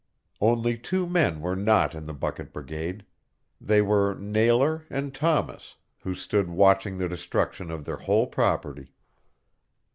Only two men were not in the bucket brigade. They were Nailor and Thomas, who stood watching the destruction of their whole property.